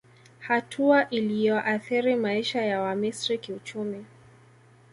Hatua iliyoathiri maisha ya Wamisri kiuchumi